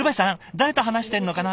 誰と話してんのかな？